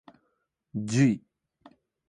じゅい